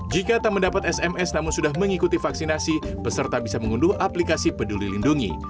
jika tak mendapat sms namun sudah mengikuti vaksinasi peserta bisa mengunduh aplikasi peduli lindungi